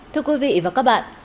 thưa quý vị và các bạn